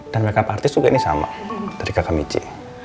dan makeup artis tuh kayaknya sama dari kakak michi